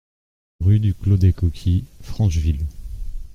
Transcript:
Rue du Clos des Coquilles, Francheville